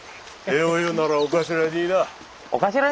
礼を言うならお頭に言いな。